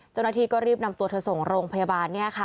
เจ้าหน้าที่ก็รีบนำตัวเธอส่งโรงพยาบาล